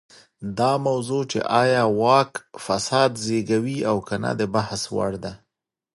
دا موضوع چې ایا واک فساد زېږوي او که نه د بحث وړ ده.